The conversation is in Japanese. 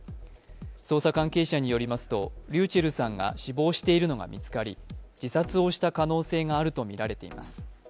捜査関係者によりますとｒｙｕｃｈｅｌｌさんが死亡しているのが見つかり、自殺をした可能性があるとみられています。